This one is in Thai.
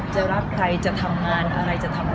จะรักใครจะทำงานอะไร